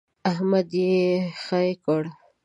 احمد يې خې کړ.